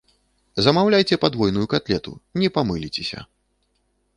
Замаўляйце падвойную катлету, не памыліцеся.